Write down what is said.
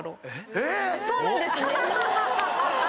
えっ⁉そうなんですね。